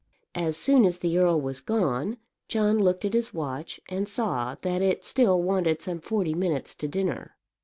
As soon as the earl was gone John looked at his watch and saw that it still wanted some forty minutes to dinner.